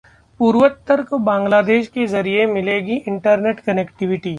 पूर्वोत्तर को बांग्लादेश के जरिए मिलेगी इंटरनेट कनेक्टिविटी